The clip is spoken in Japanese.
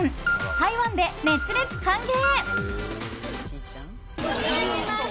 台湾で熱烈歓迎！